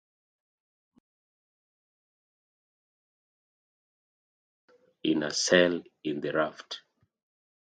Morbius was captured by Spider-Man and locked up in a cell in the Raft.